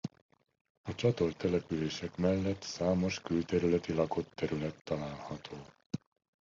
A csatolt települések mellett számos külterületi lakott terület található.